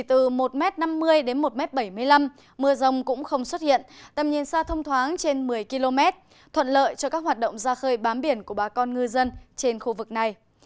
tầm nhìn xa thông thoáng trên một mươi km thuận lợi cho các hoạt động ra khơi bám biển của bà con ngư dân trên khu vực này